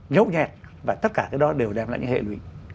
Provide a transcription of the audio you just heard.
nhấu nhẹt và tất cả cái đó đều đem lại những hệ lụy